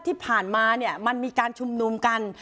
ที่ผ่านมาเนี่ยมันมีการชุมนุมกัน